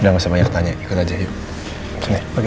udah gak usah banyak tanya ikut aja yuk